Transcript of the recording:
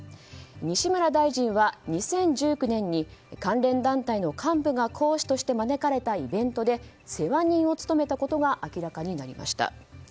西村大臣は２０１９年に関連団体の幹部が講師として招かれたイベントで世話人を務めたことが明らかになりました。